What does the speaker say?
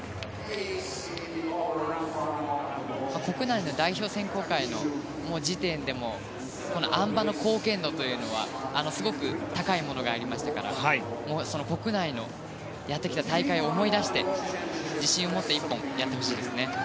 国内の代表選考会の時点でもあん馬の貢献度というのはすごく高いものがありましたからその国内のやってきた大会を思い出して自信を持って１本やってほしいです。